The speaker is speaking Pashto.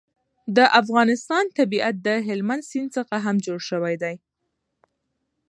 د افغانستان طبیعت له هلمند سیند څخه هم جوړ شوی دی.